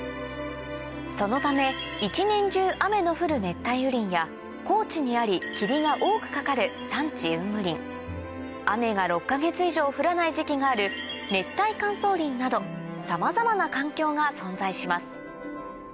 そのため一年中雨の降る熱帯雨林や高地にあり霧が多くかかる雨が６か月以上降らない時期があるさまざまな環境が存在します